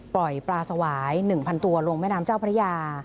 ปล่อยปลาสวาย๑๐๐ตัวลงแม่น้ำเจ้าพระยา